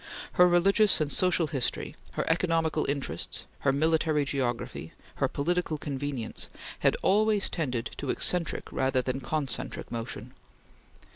Her religious and social history, her economical interests, her military geography, her political convenience, had always tended to eccentric rather than concentric motion.